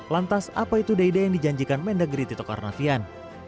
lantas apa itu ide yang dijanjikan mendagri tito karnavian